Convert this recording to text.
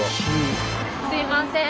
すいません！